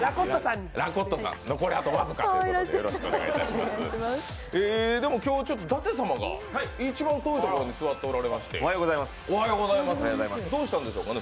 残り僅かということでよろしくお願いします、今日は舘様が一番遠いところに座ってましてどうしたんでしょうかね？